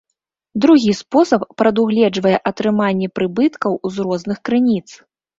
Другі спосаб прадугледжвае атрыманне прыбыткаў з розных крыніц.